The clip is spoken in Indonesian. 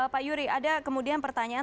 pak yuri ada kemudian pertanyaan